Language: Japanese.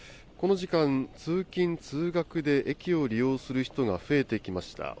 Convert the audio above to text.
この時間、通勤・通学で駅を利用する人が増えてきました。